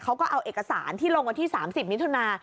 เขาก็เอาเอกสารที่ลงวันที่๓๐มิถุนา